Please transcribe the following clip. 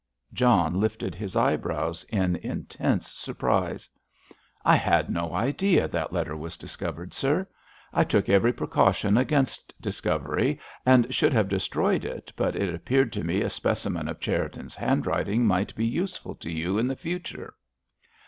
John lifted his eyebrows in intense surprise. "I had no idea that letter was discovered, sir. I took every precaution against discovery, and should have destroyed it, but it appeared to me a specimen of Cherriton's handwriting might be useful to you in the future."